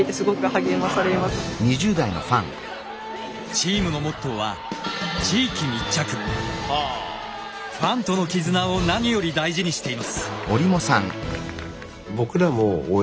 チームのモットーはファンとの絆を何より大事にしています。